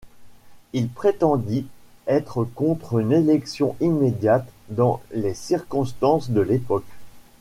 Il prétendit être contre une élection immédiate dans les circonstances de l’époque.